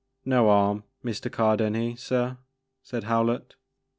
" No 'arm, Mr. Cardenhe, sir," said Howlett.